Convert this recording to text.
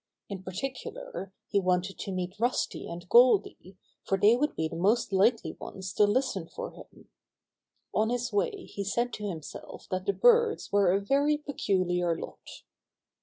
In particular he wanted to meet Rusty and Goldy, for they would be the most likely ones to listen to him. On his way he said to him self that the birds were a very peculiar lot.